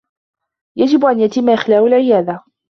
يجب أن يتمّ إخلاء العيادة.